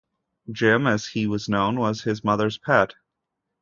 "Jim" as he was known, was his mother's pet.